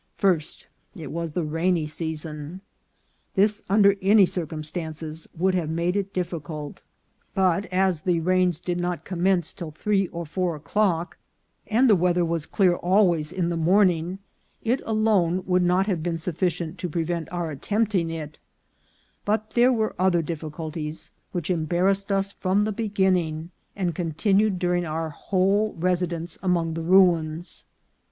First, it was the rainy season. This, under any circum stances, would have made it difficult ; but as the rains VOL. II.— Q, Q INCIDENTS OF TRAVEL. did not commence till three or four o'clock, and the weather was clear always in the morning, it alone would not have been sufficient to prevent our attempting it ; but there were other difficulties, which embarrassed us from the beginning, and continued during our whole res idence among the ruins.